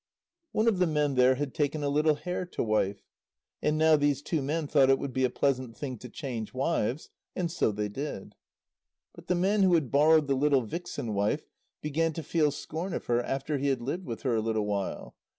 One of the men there had taken a little hare to wife. And now these two men thought it would be a pleasant thing to change wives. And so they did. But the man who had borrowed the little vixen wife began to feel scorn of her after he had lived with her a little while.